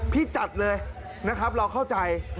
จัดเลยนะครับเราเข้าใจ